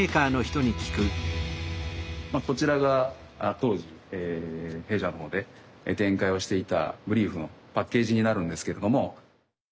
こちらが当時弊社の方で展開をしていたブリーフのパッケージになるんですけれども。